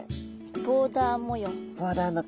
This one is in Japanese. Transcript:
ボーダー模様の。